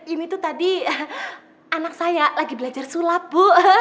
ini tuh tadi anak saya lagi belajar sulap bu